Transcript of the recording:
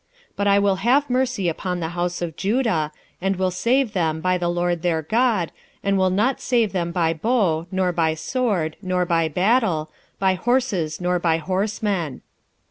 1:7 But I will have mercy upon the house of Judah, and will save them by the LORD their God, and will not save them by bow, nor by sword, nor by battle, by horses, nor by horsemen.